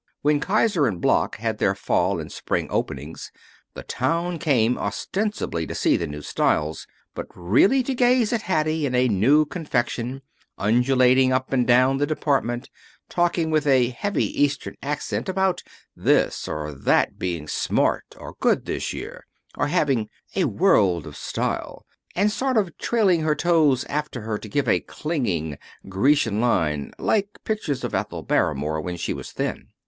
When Kiser & Bloch had their fall and spring openings the town came ostensibly to see the new styles, but really to gaze at Hattie in a new confection, undulating up and down the department, talking with a heavy Eastern accent about this or that being "smart" or "good this year," or having "a world of style," and sort of trailing her toes after her to give a clinging, Grecian line, like pictures of Ethel Barrymore when she was thin.